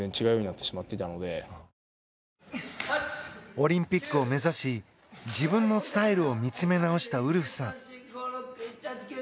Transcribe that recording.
オリンピックを目指し自分のスタイルを見つめ直したウルフさん。